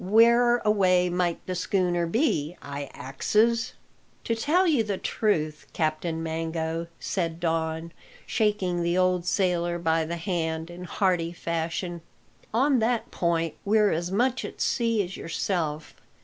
Where away might the schooner be, I axes?" "To tell you the truth, Captain Mango," said Don, shaking the old sailor by the hand in hearty fashion, "on that point we're as much at sea as yourself.